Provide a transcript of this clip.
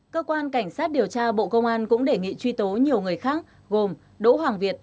cơ quan cảnh sát điều tra bộ công an cũng đề nghị truy tố nhiều người khác gồm đỗ hoàng việt